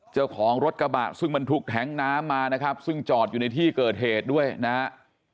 เจ้าของรถกระบะซึ่งบรรทุกแท้งน้ำมานะครับซึ่งจอดอยู่ในที่เกิดเหตุด้วยนะฮะ